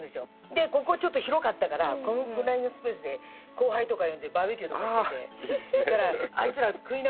でここちょっと広かったからこのくらいのスペースで後輩とか呼んでバーべキューとかしててそしたらあいつら食いながらね